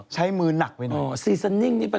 จากธนาคารกรุงเทพฯ